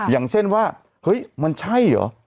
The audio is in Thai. อย่างเช่นว่าเฮ้ยมันใช่เหรอ